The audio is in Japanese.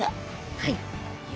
はい。